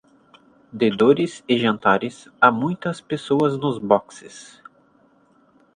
De dores e jantares, há muitas pessoas nos boxes.